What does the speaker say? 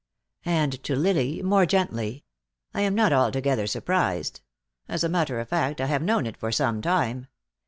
And to Lily, more gently: "I am not altogether surprised. As a matter of fact, I have known it for some time.